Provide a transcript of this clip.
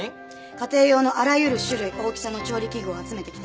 家庭用のあらゆる種類大きさの調理器具を集めてきて。